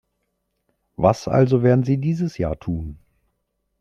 Was also werden Sie dieses Jahr tun?